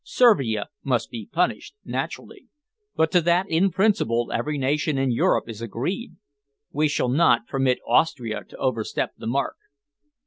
Servia must be punished, naturally, but to that, in principle, every nation in Europe is agreed. We shall not permit Austria to overstep the mark."